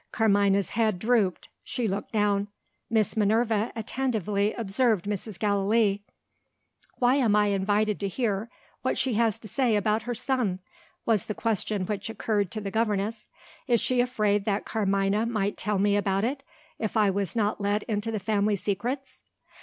Carmina's head drooped: she looked down. Miss Minerva attentively observed Mrs. Gallilee. "Why am I invited to hear what she has to say about her son?" was the question which occurred to the governess. "Is she afraid that Carmina might tell me about it, if I was not let into the family secrets?"